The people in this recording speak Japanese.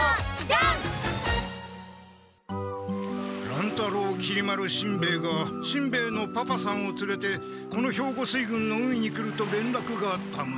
乱太郎きり丸しんべヱがしんべヱのパパさんをつれてこの兵庫水軍の海に来るとれんらくがあったが。